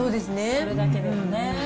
これだけでもね。